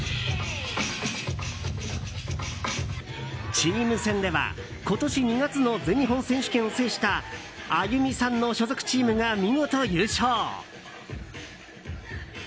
チーム戦では今年２月の全日本選手権を制したＡＹＵＭＩさんの所属チームが見事優勝。